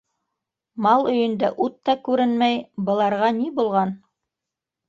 Мал өйөндә ут та күренмәй, быларға ни булған?